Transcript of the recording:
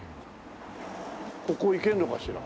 ここ行けるのかしら？